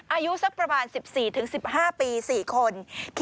อายุสักประมาณ๑๔๑๕ปี๔คน